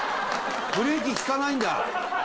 ブレーキ利かないんだ。